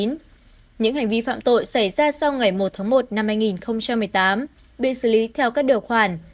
những hành vi phạm tội xảy ra sau ngày một tháng một năm hai nghìn một mươi tám bị xử lý theo các điều khoản